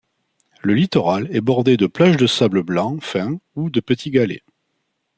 Le littoral est bordé de plages de sable blanc fin ou de petits galets.